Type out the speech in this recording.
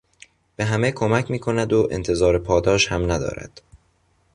به همه کمک میکند و انتظار پاداش هم ندارد.